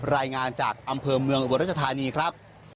รายงานจากอำเภอเมืองอุบรัชธานีครับ